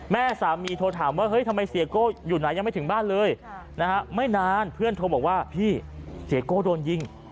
แม่สามีโทรถามว่าเฮ้ยทำไมเสียโก้อยู่ไหนยังไม่ถึงบ้านเลยนะฮะไม่นานเพื่อนโทรบอกว่าพี่เสียโก้โดนยิง